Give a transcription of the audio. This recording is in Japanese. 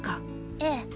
ええ。